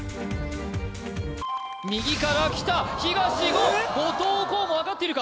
右からきた東言後藤弘も分かっているか？